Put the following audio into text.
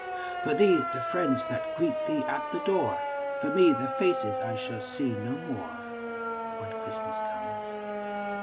For thee, the friends that greet thee at the door, For me, the faces I shall see no more, When Christmas comes.